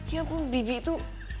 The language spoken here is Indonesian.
ya ampun bibi tuh